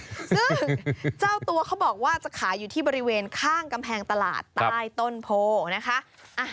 ซึ่งเจ้าตัวเขาบอกว่าจะขายอยู่ที่บริเวณข้างกำแพงตลาดใต้ต้นโพนะคะ